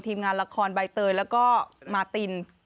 ทีมงานละครใบเตยแล้วก็มาติน